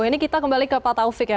ini kita kembali ke pak taufik ya